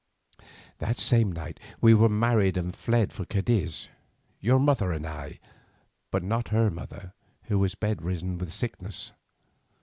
"That same night we were married and fled for Cadiz, your mother and I, but not her mother, who was bedridden with a sickness.